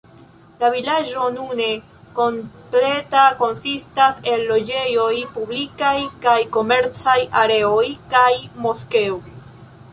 La vilaĝo, nune kompleta, konsistas el loĝejoj, publikaj kaj komercaj areoj, kaj moskeo.